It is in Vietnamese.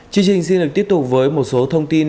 chương trình xin được tiếp tục với một số thông tin